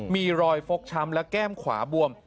มีรอยฟกช้ำและแก้มขวาบวม